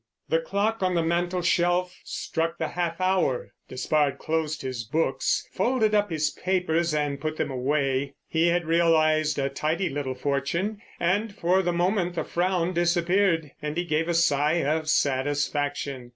The clock on the mantelshelf struck the half hour. Despard closed his books, folded up his papers and put them away. He had realised a tidy little fortune, and for the moment the frown disappeared and he gave a sigh of satisfaction.